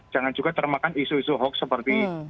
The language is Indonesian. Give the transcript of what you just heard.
jangan juga termakan isu isu hoax seperti